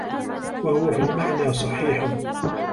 وَهُوَ فِي الْمَعْنَى صَحِيحٌ